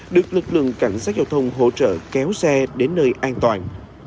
được lực lượng cảnh sát giao thông hỗ trợ kéo xe đến nơi an toàn